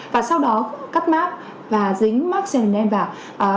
và sau đó cắt mác và dính mác bảy am vào